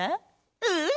うん！